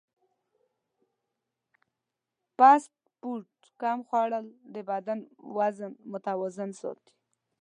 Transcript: فاسټ فوډ کم خوړل د بدن وزن متوازن ساتي.